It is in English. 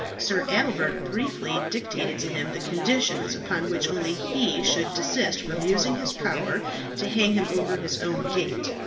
Sir Adelbert briefly dictated to him the conditions upon which only he should desist from using his power to hang him over his own gate.